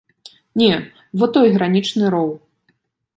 Не, во той гранічны роў.